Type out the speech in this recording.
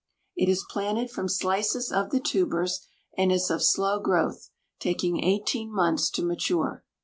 It is planted from slices of the tubers and is of slow growth, taking eighteen months to mature.